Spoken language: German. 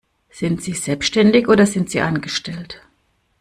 Sind Sie selbstständig oder sind Sie angestellt?